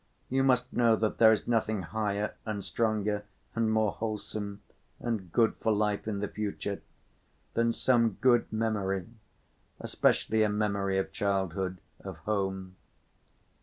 You must know that there is nothing higher and stronger and more wholesome and good for life in the future than some good memory, especially a memory of childhood, of home.